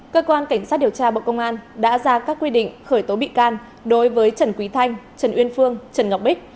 cơ quan cảnh sát điều tra bộ công an đã ra các quy định khởi tố bị can đối với trần quý thanh trần uyên phương trần ngọc bích